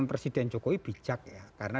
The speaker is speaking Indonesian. presiden jokowi bijak ya karena